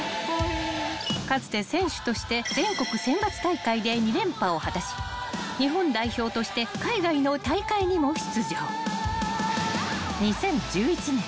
［かつて選手として全国選抜大会で２連覇を果たし日本代表として海外の大会にも出場］［２０１１年